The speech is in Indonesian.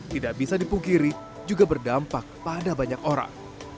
tidak bisa dipungkiri juga berdampak pada banyak orang